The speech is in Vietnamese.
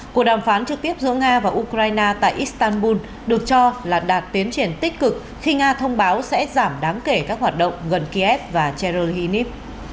cuộc đàm phán trực tiếp giữa nga và ukraine tại istanbul được cho là đạt tiến triển tích cực khi nga thông báo sẽ giảm đáng kể các hoạt động gần kiev và cherry hunif